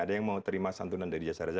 ada yang mau terima santunan dari jasa raja